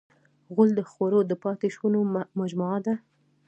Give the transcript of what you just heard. غول د خوړو د پاتې شونو مجموعه ده.